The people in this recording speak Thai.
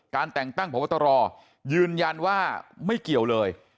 การแต่งตั้งผ่วงพัฒนาตรอร์ยืนยันว่าไม่เกี่ยวเลย